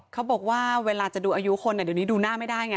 เขาบอกว่าเวลาจะดูอายุคนเดี๋ยวนี้ดูหน้าไม่ได้ไง